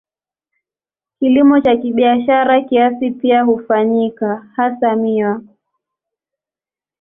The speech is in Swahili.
Kilimo cha kibiashara kiasi pia hufanyika, hasa miwa.